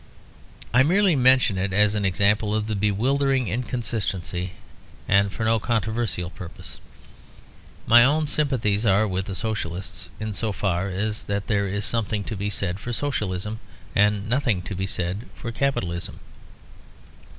I merely mention it as an example of the bewildering inconsistency, and for no controversial purpose. My own sympathies are with the Socialists; in so far that there is something to be said for Socialism, and nothing to be said for Capitalism.